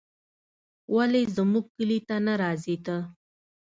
ولې زموږ کلي ته نه راځې ته